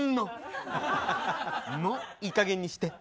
もういいかげんにして。